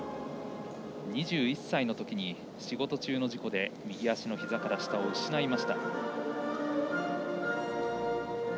２１歳のときに仕事中の事故で右足のひざから下を失いました。